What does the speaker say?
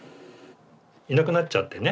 いなくなっちゃってね。